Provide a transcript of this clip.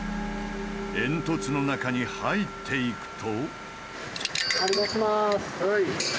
煙突の中に入っていくと。